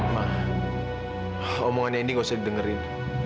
ma omongannya indi nggak usah didengerin